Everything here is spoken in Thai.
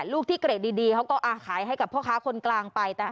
ลูกที่เกรดดีเขาก็ขายให้กับพ่อค้าคนกลางไป